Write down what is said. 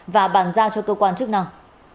và bàn ra cho cơ quan chức năng